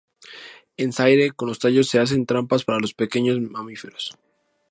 En Zaire con los tallos se hacen trampas para pequeños mamíferos.